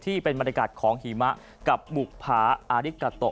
ที่เป็นบรรยากาศของหิมะกับบุภาอาริกาโต